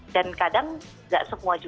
dan kadang tidak selalu